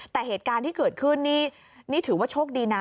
แต่เหตุการณ์ที่เกิดขึ้นนี่ถือว่าโชคดีนะ